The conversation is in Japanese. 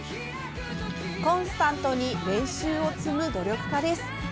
コンスタントに練習を積む努力家です。